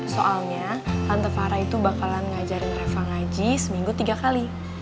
soalnya tante fara itu bakalan ngajarin reva ngaji seminggu tiga kali